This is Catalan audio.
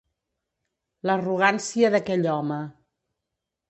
L'arrogància d'aquell home.